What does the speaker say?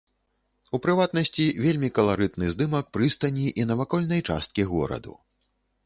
У прыватнасці, вельмі каларытны здымак прыстані і навакольнай часткі гораду.